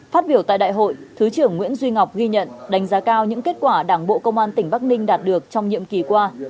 phát biểu tại đại hội thứ trưởng nguyễn duy ngọc ghi nhận đánh giá cao những kết quả đảng bộ công an tỉnh bắc ninh đạt được trong nhiệm kỳ qua